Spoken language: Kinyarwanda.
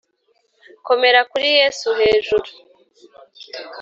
komera kuri yesu hejuru.